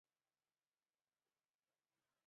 姆克瓦瓦的赫赫族首领。